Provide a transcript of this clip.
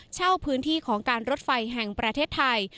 เช่าพื้นที่ของการรถไฟแห่งประเทศไทย